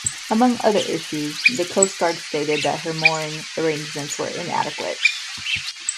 Among other issues, the Coast Guard stated that her mooring arrangements were inadequate.